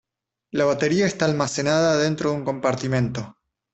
La batería está almacenada dentro de un compartimento.